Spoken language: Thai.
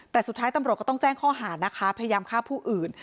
แต่สุดท้ายตำรวจก็ต้องแจ้งข้อหานะคะพยายามฆ่าผู้อื่น